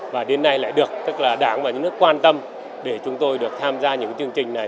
và đến nay lại được các đảng và nhà nước quan tâm để chúng tôi được tham gia những chương trình này